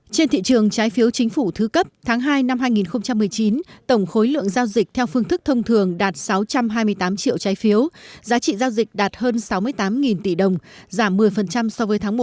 trên thị trường trái phiếu chính phủ thứ cấp tháng hai năm hai nghìn một mươi chín tổng khối lượng giao dịch theo phương thức thông thường đạt sáu trăm hai mươi tám triệu trái phiếu giá trị giao dịch đạt hơn sáu mươi tám tỷ đồng giảm một mươi so với tháng một mươi